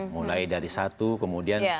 mulai dari satu kemudian